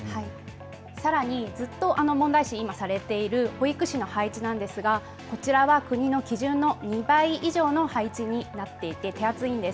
さらにずっと問題視されている保育士の配置なんですがこちらは国の基準の２倍以上の配置になっていて手厚いんです。